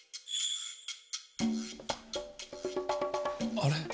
あれ？